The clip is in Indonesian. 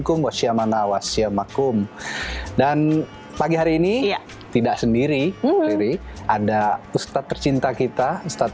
hukum wasyamana wasya makum dan pagi hari ini tidak sendiri ada ustadz tercinta kita ustadz